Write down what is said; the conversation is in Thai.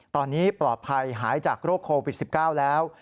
ตอนนี้ปลอดภัยหายจากโรคโควิด๑๙แล้ว